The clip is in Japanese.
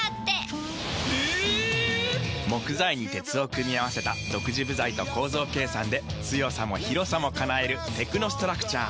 木材に鉄を組み合わせた独自部材と構造計算で強さも広さも叶えるテクノストラクチャー。